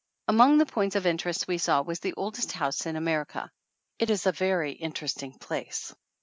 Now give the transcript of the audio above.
Among the points of interest we saw was the oldest house in America. It is a very interest ing place.